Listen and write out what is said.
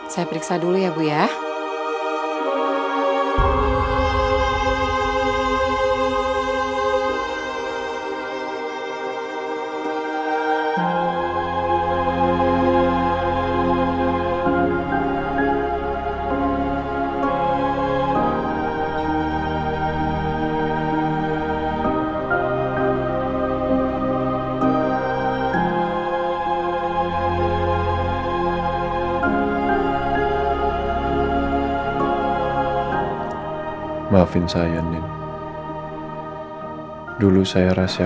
saya periksa dulu ya bu ya